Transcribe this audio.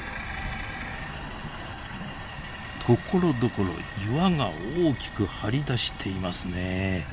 ところどころ岩が大きく張り出していますねえ。